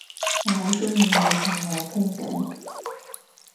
我好鍾意你同我傾偈